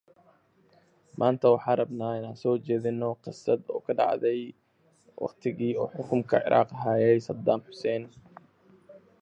He looked closely at his mother.